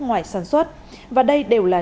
ngoài sản xuất và đây đều là